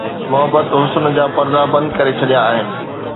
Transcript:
محبت حسن جا پردا بند ڪري ڇڏيا آهن